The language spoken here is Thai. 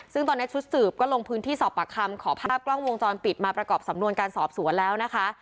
ซึ่งตอนนี้ชุดสืบก็ลงพื้นที่สอบปากคำขอภาพกล้องวงจรปิดมาประกอบสำนวนการสอบสวนแล้วนะคะ